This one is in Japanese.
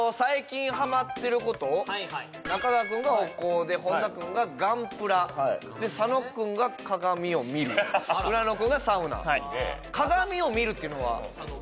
あと中川君がお香で本田君がガンプラ佐野君が鏡を見る浦野君がサウナはい鏡を見るっていうのは佐野君？